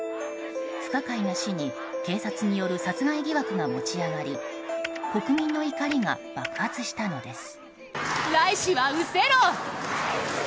不可解な死に警察による殺害疑惑が持ち上がり国民の怒りが爆発したのです。